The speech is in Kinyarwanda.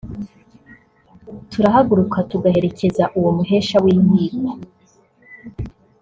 turahaguruka tugaherekeza uwo muhesha w’inkiko